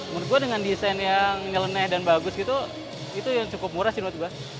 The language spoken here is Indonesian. menurut gue dengan desain yang nyeleneh dan bagus gitu itu yang cukup murah sih menurut gue